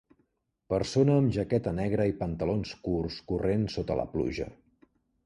Persona amb jaqueta negra i pantalons curts corrent sota la pluja.